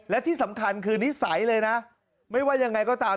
และที่สำคัญคือนิสัยเลยนะไม่ว่ายังไงก็ตาม